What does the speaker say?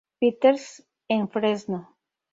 Peters, en Fresno